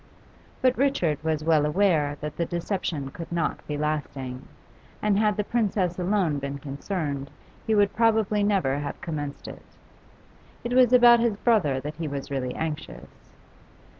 But Richard was well aware that the deception could not be lasting, and had the Princess alone been concerned he would probably never have commenced it. It was about his brother that he was really anxious.